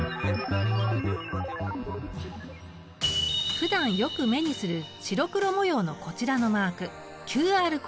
ふだんよく目にする白黒模様のこちらのマーク